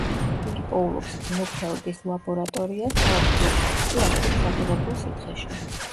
იგი პოულობს ბლოფელდის ლაბორატორიას, თავად ბლოფელდს კი აგდებს ადუღებულ სითხეში.